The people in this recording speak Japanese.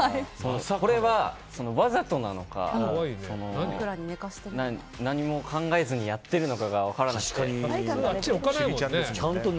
これはわざとなのか何も考えずにやってるのかが普通置かないもんね。